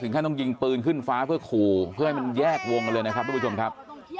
ท่านต้องยิงปืนขึ้นฟ้าเพื่อขู่เพื่อให้มันแยกวงกันเลยนะครับทุกผู้ชมครับ